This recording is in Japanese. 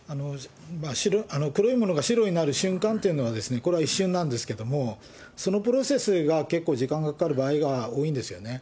黒いものが白になる瞬間というのは、これは一瞬なんですけれども、そのプロセスが結構時間がかかる場合が多いんですよね。